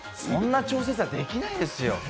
そんな調整、できないですよ